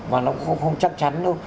và nó cũng không chắc chắn đâu